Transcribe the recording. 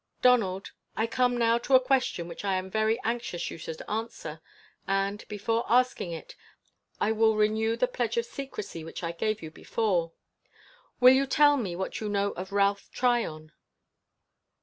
"Donald, I come now to a question which I am very anxious you should answer, and, before asking it, I will renew the pledge of secrecy which I gave you before. Will you tell me what you know of Ralph Tryon?